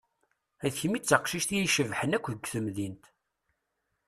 D kemm i d taqcict i icebḥen akk g temdint.